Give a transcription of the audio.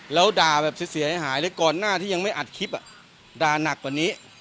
แล้วด่าแบบเสียหายเลยก่อนหน้าที่ยังไม่อัดคลิปด่านักกว่านี้